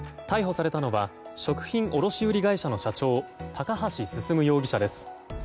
逮捕されたのは食品卸売会社の社長、高橋進容疑者です。